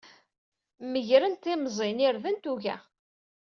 Meggren timẓin, irden d tuga.